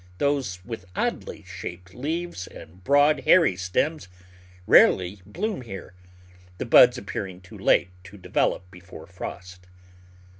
It will be noticed that those with oddly shaped leaves and broad, hairy stems rarely bloom here, the buds appearing too late to de velop before frost.